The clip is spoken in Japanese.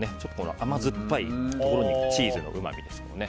甘酸っぱいところにチーズのうまみです。